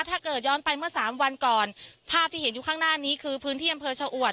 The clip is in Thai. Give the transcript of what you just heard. ถ้าเกิดย้อนไปเมื่อสามวันก่อนภาพที่เห็นอยู่ข้างหน้านี้คือพื้นที่อำเภอชะอวด